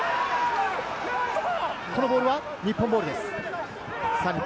このボールは日本ボールです。